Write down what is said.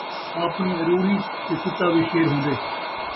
آپݨی اروڑی تے کتا وی شیر ہوندے